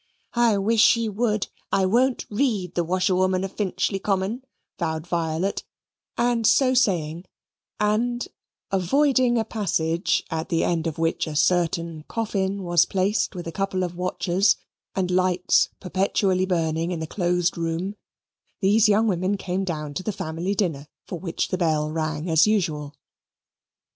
"I wish she would. I won't read the Washerwoman of Finchley Common," vowed Violet; and so saying, and avoiding a passage at the end of which a certain coffin was placed with a couple of watchers, and lights perpetually burning in the closed room, these young women came down to the family dinner, for which the bell rang as usual.